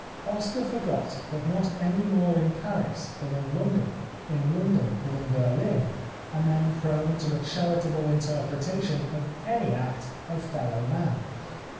Oscar forgot that not any more in Paris than in London, in London than in Berlin, are men prone to a charitable interpretation of any act of fellow man.